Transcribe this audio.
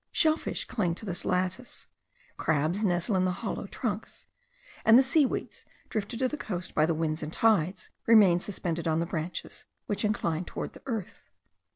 Shell fish cling to this lattice; crabs nestle in the hollow trunks; and the seaweeds, drifted to the coast by the winds and tides, remain suspended on the branches which incline towards the earth.